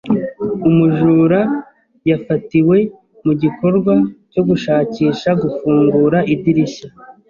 Umujura yafatiwe mu gikorwa cyo gushakisha gufungura idirishya.